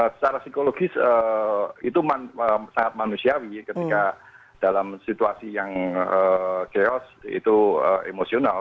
secara psikologis itu sangat manusiawi ketika dalam situasi yang chaos itu emosional